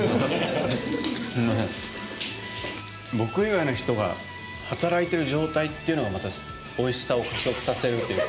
僕以外の人が働いてる状態というのがまたおいしさを加速させるというか。